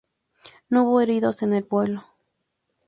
No hubo heridos en el vuelo.